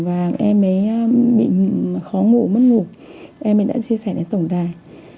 và em ấy bị khó ngủ mất ngủ em ấy đã chia sẻ đến tổng đài